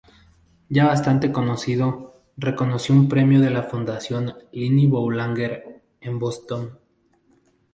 Ya bastante conocido, recibió un premio de la Fundación Lili Boulanger, en Boston.